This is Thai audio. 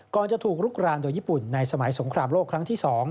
จะถูกลุกรานโดยญี่ปุ่นในสมัยสงครามโลกครั้งที่๒